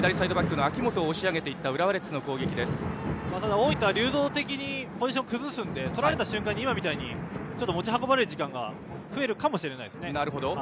大分は流動的にポジションを崩すのでとられた瞬間に持ち運ばれる時間が増えるかもしれないですね。